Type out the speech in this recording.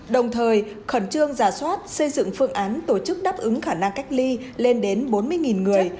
đồng thời khẩn trương giả soát xây dựng phương án tổ chức đáp ứng khả năng cách ly lên đến bốn mươi người